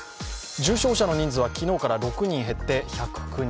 重症者の人数は昨日から６人減って１０９人。